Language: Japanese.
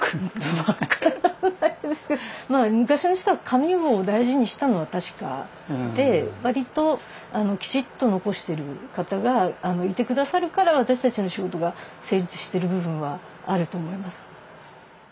わからないですけどまあ昔の人は紙を大事にしたのは確かで割ときちっと残してる方がいて下さるから私たちの仕事が成立してる部分はあると思います。